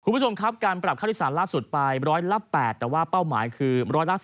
คุณผู้ชมครับการปรับค่าโดยสารล่าสุดไปร้อยละ๘แต่ว่าเป้าหมายคือ๑๓